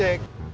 bantuin dong cuy